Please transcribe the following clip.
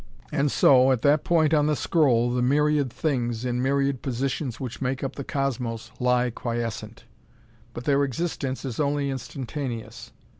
And so, at that point on the scroll, the myriad things, in myriad positions which make up the Cosmos, lie quiescent. But their existence is only instantaneous.